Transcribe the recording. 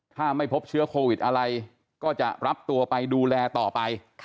ถ้าไม่พบเชื้อโควิดอะไรก็จะรับตัวไปดูแลต่อไป